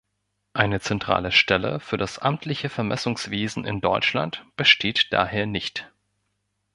Eine zentrale Stelle für das amtliche Vermessungswesen in Deutschland besteht daher nicht.